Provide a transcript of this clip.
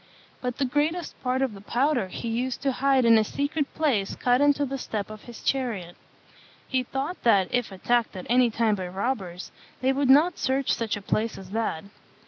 But the greatest part of the powder he used to hide in a secret place cut into the step of his chariot. He thought that, if attacked at any time by robbers, they would not search such a place as that.